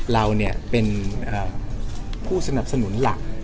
เราเป็นผู้สนับสนุนหลัก